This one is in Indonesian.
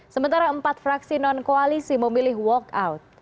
sementara empat fraksi non koalisi memilih walk out